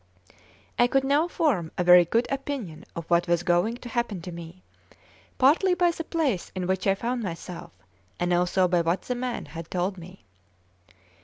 I could now form a very good opinion of what was going to happen to me, partly by the place in which I found myself, and also by what the man had told me.